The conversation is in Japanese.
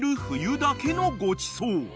冬だけのごちそう］